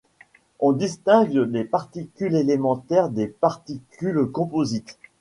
On distingue les particules élémentaires des particules composites.